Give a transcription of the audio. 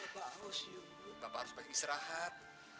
bapak harus lagi istirahat